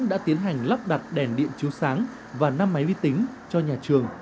đã tiến hành lắp đặt đèn điện chiếu sáng và năm máy vi tính cho nhà trường